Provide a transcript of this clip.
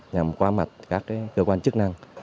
nhằm qua mặt các cơ quan chức năng